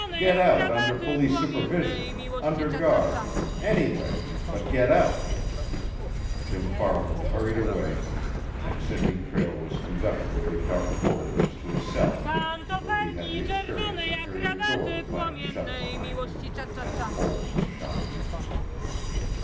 Get out under police supervision, under guard any way but get out!" Jim Farland hurried away, and Sidney Prale was conducted through dark corridors to a cell, where he had the experience of hearing a door clang shut behind him and the bolts shot.